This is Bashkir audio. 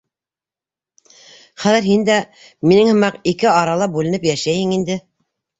Хәҙер һин дә минең һымаҡ, ике арала бүленеп йәшәйһең инде.